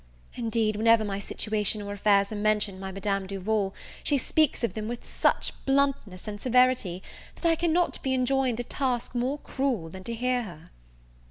Indeed, whenever my situation or affairs are mentioned by Madame Duval, she speaks of them with such bluntness and severity, that I cannot be enjoined a task more cruel than to hear her.